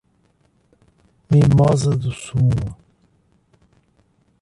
Mimoso do Sul